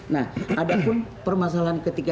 nah ada pun permasalahan ketika